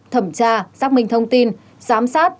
thẩm tra xác minh thông tin giám sát